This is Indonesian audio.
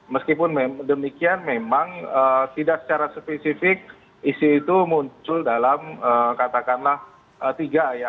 meskipun demikian memang tidak secara spesifik isu itu muncul dalam katakanlah tiga ya